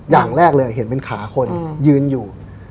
อย่างแรกเลยเห็นเป็นขาคนยืนอยู่